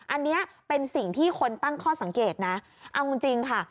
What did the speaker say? อันนี้เป็นสิ่งที่คนตั้งข้อสังเกตนะเอาจริงค่ะ